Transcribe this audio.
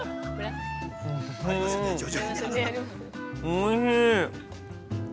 ◆おいしい。